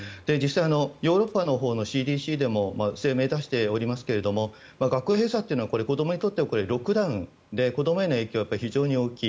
ヨーロッパのＣＤＣでも声明を出しておりますが学校閉鎖というのは子どもにとってはロックダウンで子供への影響は非常に大きい。